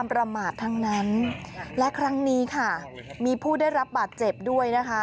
ประมาททั้งนั้นและครั้งนี้ค่ะมีผู้ได้รับบาดเจ็บด้วยนะคะ